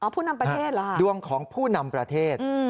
ผู้นำประเทศเหรอคะดวงของผู้นำประเทศ